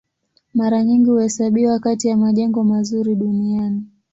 Mara nyingi huhesabiwa kati ya majengo mazuri duniani.